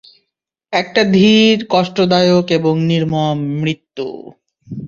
একটা ধীর, কষ্টদায়ক এবং নির্মম মৃত্যু।